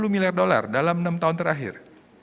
miliar dolar dalam enam tahun terakhir